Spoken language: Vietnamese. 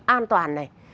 an toàn này